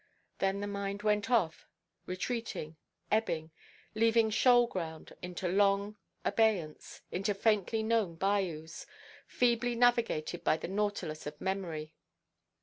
Then the mind went slowly off, retreating, ebbing, leaving shoal–ground, into long abeyance, into faintly–known bayous, feebly navigated by the nautilus of memory.